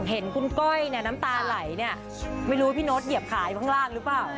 เห็นคุณก้อยเนี่ยน้ำตาไหลเนี่ยไม่รู้พี่โน๊ตเหยียบขาอยู่ข้างล่างหรือเปล่า